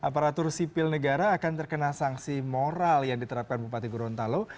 aparatur sipil negara akan terkena sanksi moral yang diterapkan bupati gorontalo